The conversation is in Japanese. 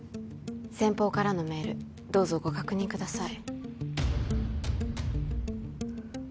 先方からのメールどうぞご確認ください